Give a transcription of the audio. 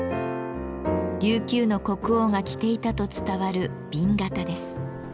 琉球の国王が着ていたと伝わる紅型です。